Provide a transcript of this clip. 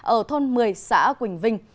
ở thôn một mươi xã quỳnh vinh